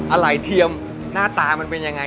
อะไรเทียมหน้าตามันเป็นยังไง